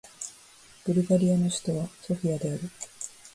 ブルガリアの首都はソフィアである